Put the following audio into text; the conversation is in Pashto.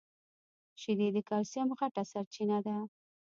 شیدې د کلیسم غټه سرچینه ده.